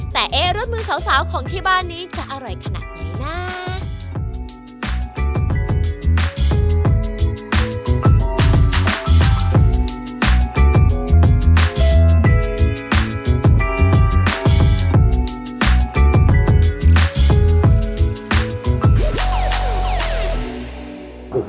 แต่เอ๊ะรสมือสาวของที่บ้านนี้จะอร่อยขนาดไหนนะ